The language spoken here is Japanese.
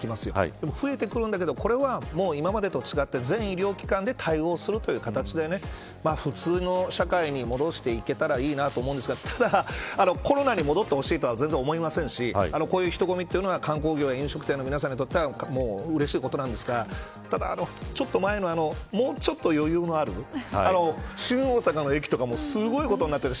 でも増えてくるんだけど、これは今までと違って全医療機関で対応するという形で普通の社会に戻していけたらいいなと思うんですがただ、コロナに戻ってほしいとは全然思いませんしこういう人混みは、観光業や飲食店の皆さんにとってはうれしいことなんですがただ、ちょっと前のもうちょっと余裕のある新大阪の駅とかもすごい事になってる。